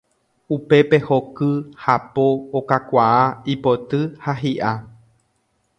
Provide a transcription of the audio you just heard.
Upépe hoky, hapo, okakuaa, ipoty ha hi'a.